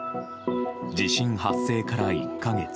地震発生から１か月。